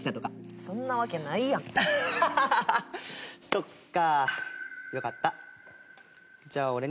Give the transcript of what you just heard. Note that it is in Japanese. そっか。